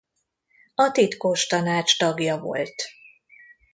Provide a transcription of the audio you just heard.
A titkos tanács tagja volt.